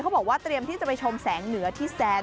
บอกว่าเตรียมที่จะไปชมแสงเหนือที่แซน